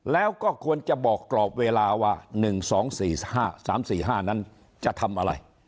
แล้วก็ควรจะบอกกรอบเวลาว่า๑๒๔๕๓๔๕นั้นจะทำอะไร